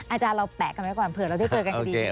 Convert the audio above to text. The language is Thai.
อาจารย์เราแปะกันไว้ก่อนเผื่อเราได้เจอกันคดีนี้